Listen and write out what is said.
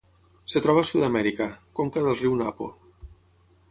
Es troba a Sud-amèrica: conca del riu Napo.